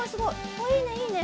あいいねいいね。